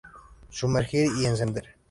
Sumergir, y encender.